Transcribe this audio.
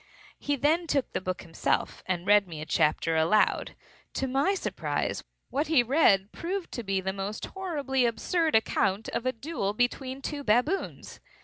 He then took the book himself, and read me a chapter aloud. To my surprise, what he read proved to be a most horribly absurd account of a duel between two baboons.